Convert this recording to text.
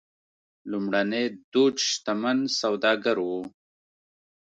لومړنی دوج شتمن سوداګر و.